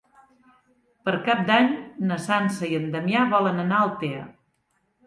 Per Cap d'Any na Sança i en Damià volen anar a Altea.